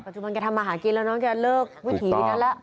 ปัจจุบันก็ทำอาหารกินแล้วเนอะก็เลิกวิถีกันแล้ว